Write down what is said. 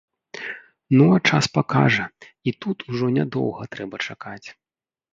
Ну а час пакажа, і тут ўжо нядоўга трэба чакаць.